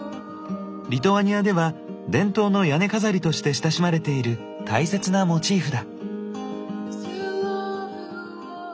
リトアニアでは伝統の屋根飾りとして親しまれている大切なモチーフだ。